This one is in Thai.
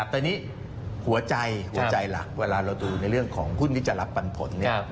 ตอนนี้หัวใจหัวใจหลักเวลาเราดูในเรื่องของหุ้นที่จะรับปันผล